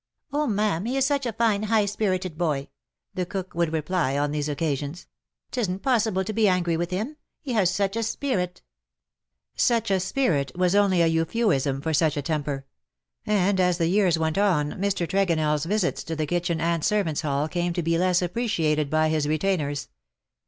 " Oh, ma'am, he is such a fine, high spirited boy,''"' the cook would reply on these occasions ;^^ ^tesn 't possible to be angry wdth him. He has such a spirit/' '' Such a spirit '' was only a euphuism for such a temper; and, as years went on, Mr. Tregonell's visits to the kitchen and servants' hall came to be less appreciated by his retainers.